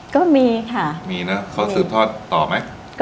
ก็มีค่ะมีนะเขาสืบทอดต่อไหม